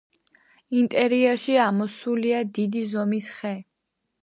ინტერიერში ამოსულია დიდი ზომის ხე.